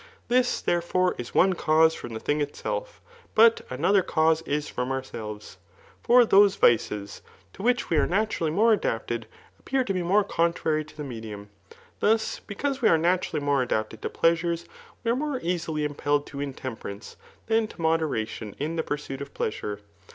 This, therefore, is one cause from the thing itself} but another cause is from otirselves. For thos^ vicss to Digitized by Google CHAP. XX, ETHICS. 71 wfakh we are naturally more adapted^ appear to be more contrary to the medium. Thus, because we are naturally more adapted to pleasures, we are more easily impelled to intemperance than to moderation in the pursuit of pleasure.